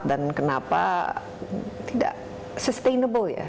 dan kenapa tidak sustainable ya